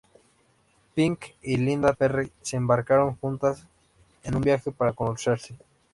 Pink y Linda Perry se embarcaron juntas en un viaje para conocerse.